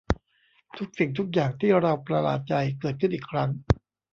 ทุกสิ่งทุกอย่างที่เราประหลาดใจ เกิดขึ้นอีกครั้ง